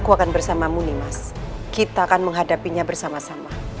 jangan bersamamu nimas kita akan menghadapinya bersama sama